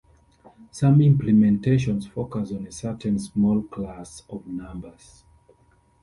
Some implementations focus on a certain smaller class of numbers.